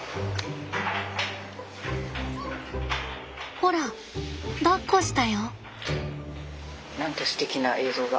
ほらだっこしたよ。